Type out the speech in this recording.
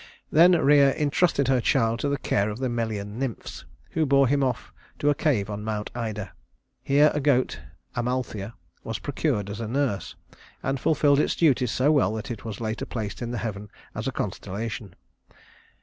Then Rhea intrusted her child to the care of the Melian nymphs, who bore him off to a cave on Mount Ida. Here a goat (Amalthea) was procured as nurse, and it fulfilled its duties so well that it was later placed in the heavens as a constellation.